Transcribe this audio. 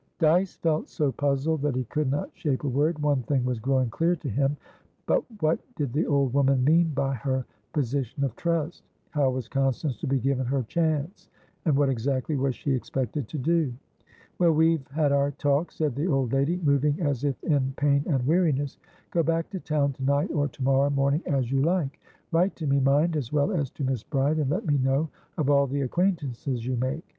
Dyce felt so puzzled that he could not shape a word. One thing was growing clear to him; but what did the old woman mean by her "position of trust?" How was Constance to be given her "chance?" And what, exactly, was she expected to do? "Well, we've had our talk," said the old lady, moving as if in pain and weariness. "Go back to town to night or to morrow morning, as you like. Write to me, mind, as well as to Miss Bride, and let me know of all the acquaintances you make.